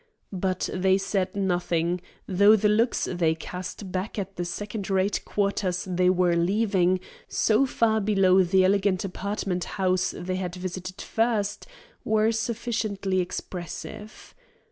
But they said nothing, though the looks they cast back at the second rate quarters they were leaving, so far below the elegant apartment house they had visited first, were sufficiently expressive.